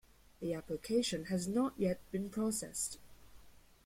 The application has not yet been processed.